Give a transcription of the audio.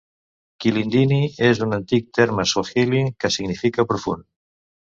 "Kilindini" és un antic terme suahili que significa "profund".